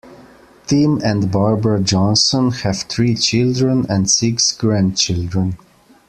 Tim and Barbara Johnson have three children and six grandchildren.